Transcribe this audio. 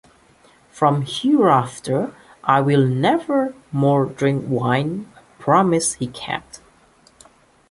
From hereafter I will never more drink wine, a promise he kept.